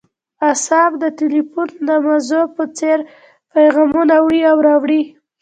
اعصاب د ټیلیفون د مزو په څیر پیامونه وړي او راوړي